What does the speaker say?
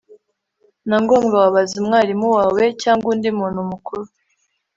na ngombwa wabaza umwarimu wawe cyangwa undi muntu mukuru